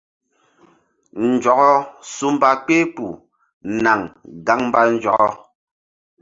Nzɔkɔ su mba kpehkpuh naŋ gaŋ mba nzɔkɔ.